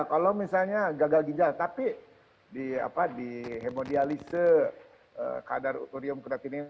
kalau misalnya gagal ginjal tapi dihemiodialisi kadar uterium kretinin